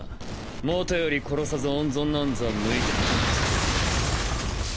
元より殺さず温存なんざ向いて。